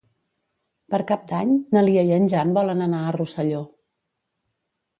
Per Cap d'Any na Lia i en Jan volen anar a Rosselló.